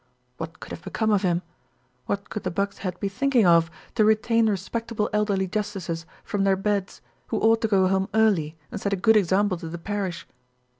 What could have become of him? What could the Buck's Head be thinking of, to retain respectable elderly justices from their beds, who ought to go home early and set a good example to the parish?